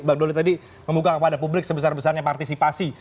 bang doli tadi membuka kepada publik sebesar besarnya partisipasi